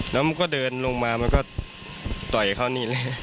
แล้วมันก็เดินลงมามันก็ต่อยเขานี่แหละ